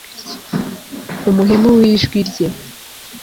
Umuhemu wijwi rye